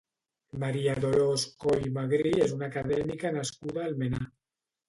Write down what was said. Maria Dolors Coll Magrí és una acadèmica nascuda a Almenar.